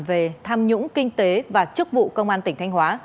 về tham nhũng kinh tế và chức vụ công an tỉnh thanh hóa